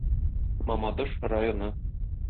Мамадыш районы.